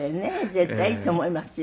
絶対いいと思いますよ。